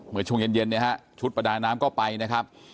เมื่อช่วงเย็นเนี่ยฮะชุดประดาน้ำก็ไปนะครับ